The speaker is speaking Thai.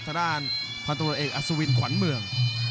ทะดานพลตำรวจเอกอสวินขวัญเมือง